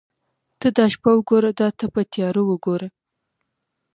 ته دا شپه وګوره دا تپه تیاره وګوره.